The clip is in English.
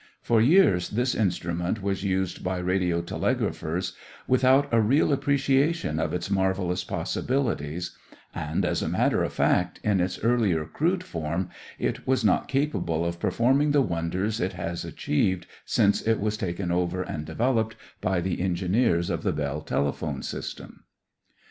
For years this instrument was used by radiotelegraphers without a real appreciation of its marvelous possibilities, and, as a matter of fact, in its earlier crude form it was not capable of performing the wonders it has achieved since it was taken over and developed by the engineers of the Bell Telephone System.